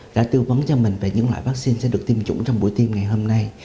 đã tư vấn cho mình về những loại vaccine sẽ được tiêm chủng trong buổi tiêm ngày hôm nay